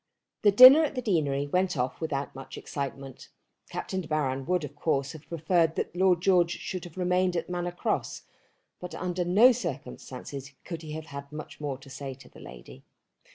The dinner at the deanery went off without much excitement. Captain De Baron would of course have preferred that Lord George should have remained at Manor Cross, but under no circumstances could he have had much more to say to the lady.